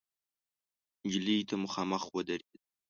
نجلۍ ته مخامخ ودرېد.